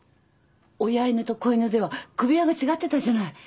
親犬と子犬では首輪が違ってたじゃない。